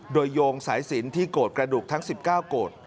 โดยโยงสายศิลป์ที่โกดกระดูกทั้ง๑๙โกด